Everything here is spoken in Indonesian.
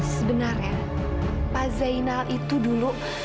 sebenarnya pak zainal itu dulu